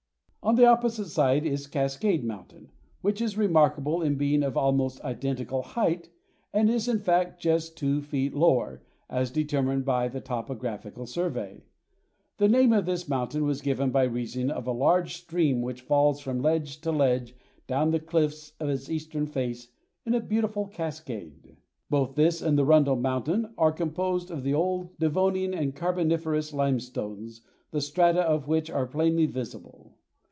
On the opposite side is Cascade Mountain, which is remarkable in being of almost identical height, and is in fact just two feet lower, as determined by the topographical survey. The name of this mountain was given by reason of a large stream which falls from ledge to ledge down the cliffs of its eastern face in a beautiful cascade. Both this and Rundle Mountain are composed of the old Devonian and Carboniferous limestones, the strata of which are plainly visible.